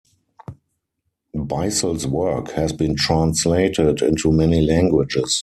Beissel's work has been translated into many languages.